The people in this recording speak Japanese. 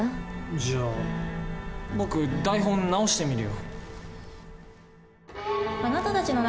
じゃあ僕台本直してみるよ。